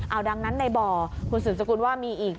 เอาดังนั้นในบ่อคุณสืบสกุลว่ามีอีก